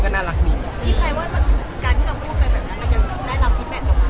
การที่เราพูดอะไรแบบนั้นมันจะได้รับที่แบบกันไหม